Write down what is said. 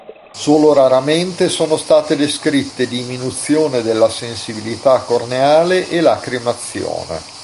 Solo raramente sono state descritte diminuzione della sensibilità corneale e lacrimazione.